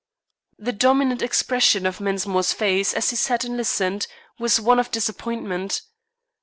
The dominant expression of Mensmore's face as he sat and listened was one of disappointment.